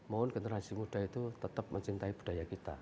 mohon generasi muda itu tetap mencintai budaya kita